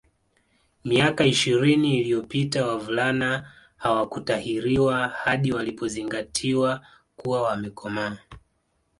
Miaka ishirini iliyopita wavulana hawakutahiriwa hadi walipozingatiwa kuwa wamekomaa